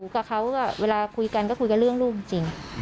กับเขาก็เวลาคุยกันก็คุยกันเรื่องลูกจริง